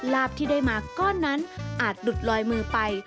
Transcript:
ลาบที่ได้มาก้อนนั้นอาจหลุดลอยมือไป